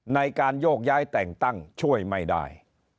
ในการโยกย้ายแต่งตั้งช่วยไม่ได้